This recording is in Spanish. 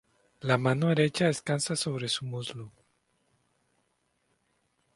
La mano derecha descansa sobre su muslo.